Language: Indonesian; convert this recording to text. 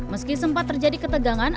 meski sempat terjadi ketegangan